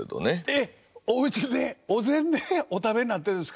えっおうちでお膳でお食べになってんですか！？